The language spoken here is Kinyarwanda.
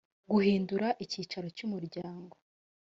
guhindura icyicaro cy’umuryango